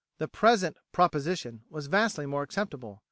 The present proposition was vastly more acceptable.